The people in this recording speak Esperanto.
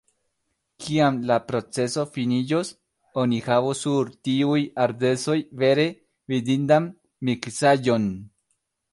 Kiam la proceso finiĝos, oni havos sur tiuj ardezoj vere vidindan miksaĵon!